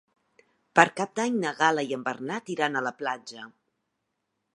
Per Cap d'Any na Gal·la i en Bernat iran a la platja.